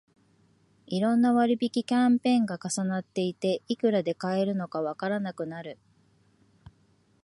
いろんな割引キャンペーンが重なっていて、いくらで買えるのかわからなくなる